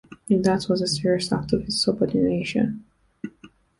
That was a serious act of insubordination.